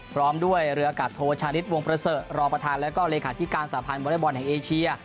พร้อมด้วยเรือกาศโทชานิดวงเบอร์เซอร์รอประธานและเลขาชิการสาพันธ์บริบอลแห่งเอเชีย